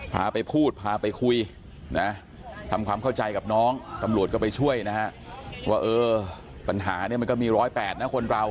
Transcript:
พาไปพูดพาไปคุยทำความเข้าใจกับน้องคำรวจก็ไปช่วยว่าปัญหามันก็มี๑๐๘คนเรา